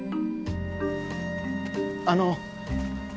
あの。